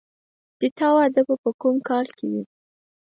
د تا واده به په کوم کال کې وي